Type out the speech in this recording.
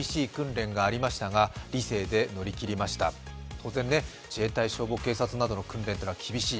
当然、自衛隊、消防、警察などの訓練は厳しい。